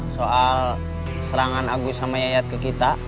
soal serangan agus sama yayat ke kita